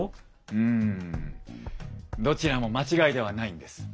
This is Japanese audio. うんどちらも間違いではないんです。